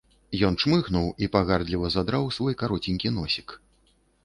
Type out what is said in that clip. Ён чмыхнуў і пагардліва задраў свой кароценькі носік.